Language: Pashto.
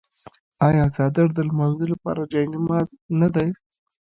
آیا څادر د لمانځه لپاره جای نماز نه دی؟